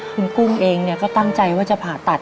คุณกุ้งเองก็ตั้งใจว่าจะผ่าตัด